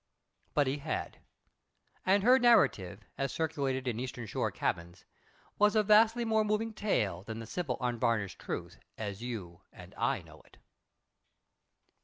But he had. And her narrative, as circulated in Eastern Shore cabins, was a vastly more moving tale than the simple unvarnished truth as you and I know it.